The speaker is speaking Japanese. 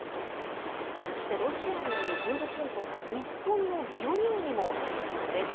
そしてロシアによる軍事侵攻が、日本の漁業にも影響です。